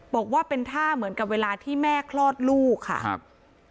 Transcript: บอกว่าเป็นท่าเหมือนกับเวลาที่แม่คลอดลูกค่ะครับ